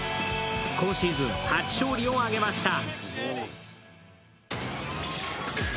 今シーズン初勝利を挙げました。